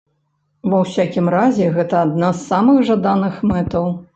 Ва усякім разе, гэта адна з самых жаданых мэтаў.